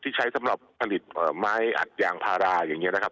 ใช้สำหรับผลิตไม้อัดยางพาราอย่างนี้นะครับ